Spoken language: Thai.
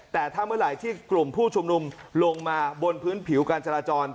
แต่ถ้าเมื่อไหร่ที่กลุ่มผู้ชุมนุมลงมาบนพื้นผิวการจราจร